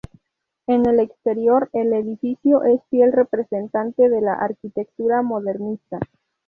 En el exterior, el edificio es fiel representante de la arquitectura modernista.